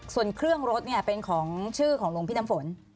ส่วนเครื่องรถเป็นของชื่อของหลวงพี่น้ำฝน